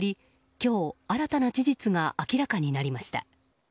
今日、新たな事実が明らかになりました。